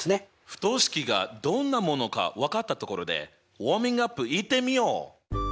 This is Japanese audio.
不等式がどんなものか分かったところでウォーミングアップいってみよう。